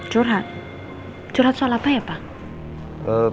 curhat curhat soal apa ya pak